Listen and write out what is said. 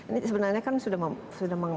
ini sebenarnya kan sudah